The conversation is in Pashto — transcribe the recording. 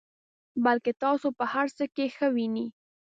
بلکې تاسو په هر څه کې ښه وینئ.